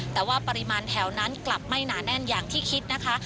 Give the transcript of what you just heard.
แต่ว่าปริมาณแถวนั้นกลับไม่หนาแน่นอย่างที่คิดนะคะ